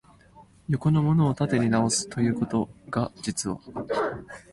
横のものを縦に直す、ということが、実は、